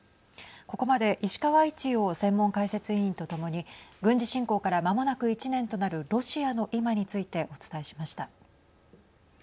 ここまで石川一洋専門解説委員と共に軍事侵攻からまもなく１年となるロシアの今についてお伝えしました。